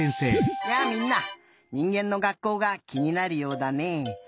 やあみんなにんげんの学校がきになるようだねえ。